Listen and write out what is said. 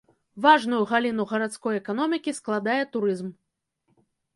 Важную галіну гарадской эканомікі складае турызм.